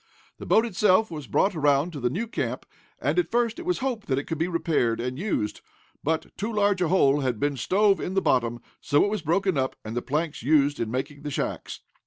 The boat itself was brought around to the new camp, and at first it was hoped that it could be repaired, and used. But too large a hole had been stove in the bottom, so it was broken up, and the planks used in making the shacks.